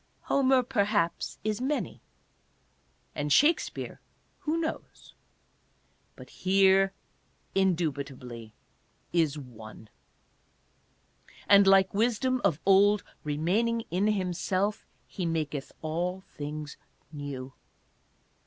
Homer perhaps is many; and Shakspere — who knows? But here in dubitably is one. And, like Wisdom of old, remaining in him self, he maketh all things new.